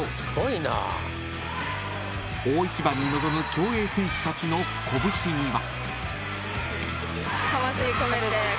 ［大一番に臨む共栄選手たちの拳には］